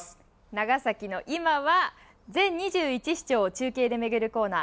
長崎の今は全２１市町を中継で巡るコーナー